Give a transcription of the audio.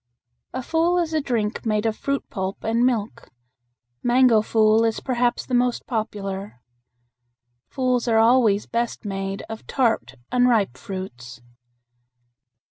A fool is a drink made of fruit pulp and milk. Mango fool is perhaps the most popular. Fools are always best made of tart unripe fruits.